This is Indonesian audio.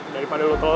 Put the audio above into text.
daripada lo telat